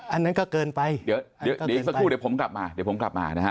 อันนั้นก็เกินไปเดี๋ยวอีกสักครู่เดี๋ยวผมกลับมา